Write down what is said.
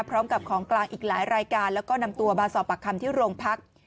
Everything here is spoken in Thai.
พร้อมกับของกลางอีกหลายรายการแล้วก็นำตัวมาสอบปากคำที่โรงพัก